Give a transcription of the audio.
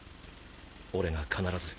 俺が必ず。